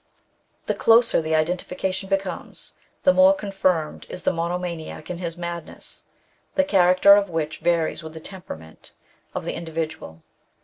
The closer the identification becomes, the more confirmed is the monomaniac in his madness, the character of which varies with the temperament of the individual.